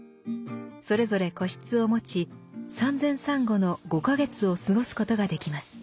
それぞれ個室を持ち産前産後の５か月を過ごすことができます。